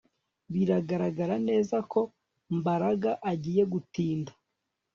Biragaragara neza ko Mbaraga agiye gutinda